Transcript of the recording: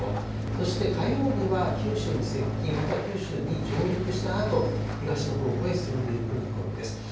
そして、火曜日は九州に接近、または九州に上陸したあと、東の方向へ進んでいく見込みです。